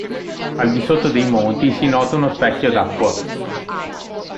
Al di sotto dei monti si nota uno specchio d'acqua.